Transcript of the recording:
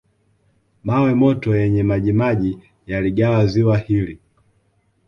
Mawe moto yenye majimaji yaligawa ziwa hili